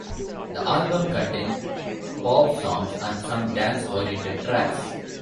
The album contains pop songs and some dance oriented tracks.